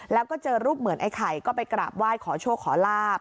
แล้วก็เจอรูปเหมือนไอ้ไข่ก็ไปกราบไหว้ขอโชคขอลาบ